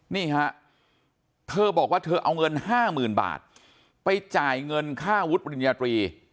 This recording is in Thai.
นี่ฮะเธอบอกว่าเธอเอาเงิน๕๐๐๐บาทไปจ่ายเงินค่าวุฒิปริญญาตรี